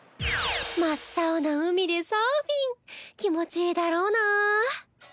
真っ青な海でサーフィン気持ちいいだろうなぁ。